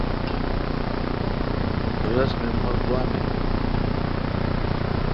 رس می مہ گوا من بھو اؘ۔